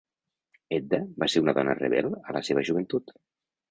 Edda va ser una dona rebel a la seva joventut.